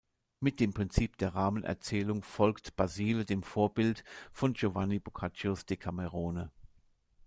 Mit dem Prinzip der Rahmenerzählung folgt Basile dem Vorbild von Giovanni Boccaccios Decamerone.